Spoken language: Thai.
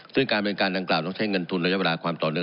ซึ่งการเป็นการดังกล่าวต้องใช้เงินทุนและยาวราความต่อเนิน